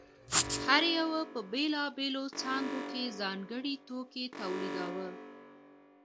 هر یوه په بېلابېلو څانګو کې ځانګړی توکی تولیداوه